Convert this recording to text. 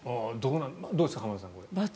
どうですか、浜田さん。×。